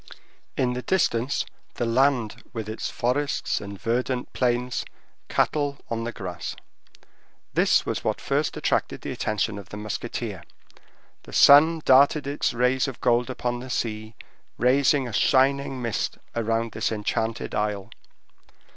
In the distance, the land with its forests and verdant plains; cattle on the grass. This was what first attracted the attention of the musketeer. The sun darted its rays of gold upon the sea, raising a shining mist round this enchanted isle.